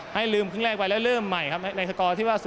ให้ลืมครึ่งแรกไปแล้วเริ่มใหม่ครับในสกอร์ที่ว่า